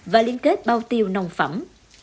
và liên kết bao tiêu nông phẩm